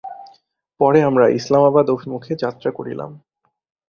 পরে আমরা ইসলামাবাদ অভিমুখে যাত্রা করিলাম।